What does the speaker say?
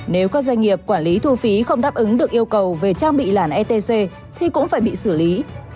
nếu các doanh nghiệp quản lý thu phí không đáp ứng được yêu cầu về trang bị làn etc thì cũng phải bị xử lý